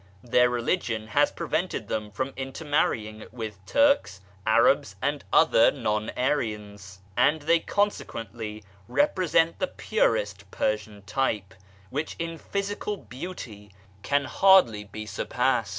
Their religion has prevented them from intermarrying with Turks, Arabs, and other non Aryans, and they consequently represent the purest Persian ty]^)e, which in physical beauty can hardly be surpassed.